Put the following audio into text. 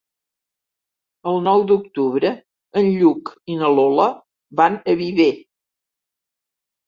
El nou d'octubre en Lluc i na Lola van a Viver.